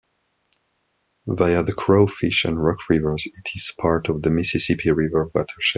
Via the Crawfish and Rock rivers, it is part of the Mississippi River watershed.